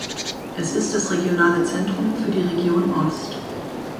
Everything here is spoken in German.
Es ist das regionale Zentrum für die Region Ost.